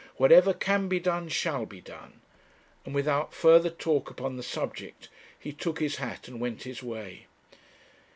Whatever can be done shall be done;' and, without further talk upon the subject, he took his hat and went his way.